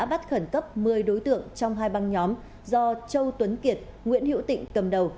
bắt khẩn cấp một mươi đối tượng trong hai băng nhóm do châu tuấn kiệt nguyễn hữu tịnh cầm đầu